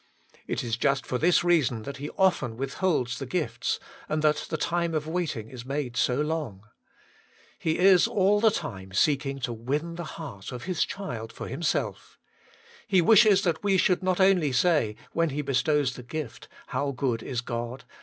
It is just for this reason that He often withholds the gifts, and that the time of waiting is made so long. He is all the time seeking to win the heart of His child for Him self. He wishes that we should not only say, when He bestows the gift. How good is God